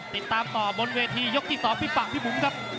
ติดตามต่อบนเวทียกที่๒พี่ฝั่งพี่บุ๋มครับ